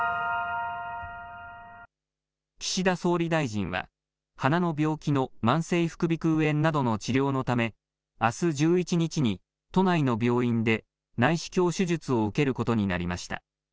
岸田総理大臣は、鼻の病気の慢性副鼻腔炎などの治療のため、あす１１日に、都内の病院で内視鏡手術を受けることになりました。